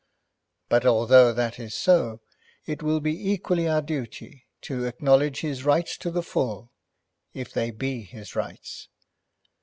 But, although that is so, it will be equally our duty to acknowledge his rights to the full, if they be his rights.